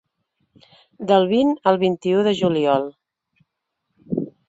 Del vint al vint-i-u de juliol.